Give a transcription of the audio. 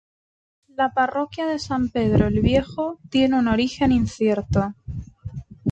La parroquia de San Pedro el Viejo tiene un origen incierto.